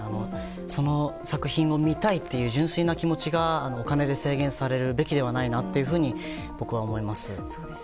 その作品を見たいという純粋な気持ちがお金で制限されるべきではないなと、僕は思います。